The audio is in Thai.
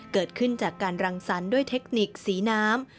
เกิดขึ้นจากการรังสรรค์ด้วยเทคนิคสีน้ำ